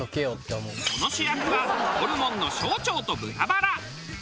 その主役はホルモンの小腸と豚バラ。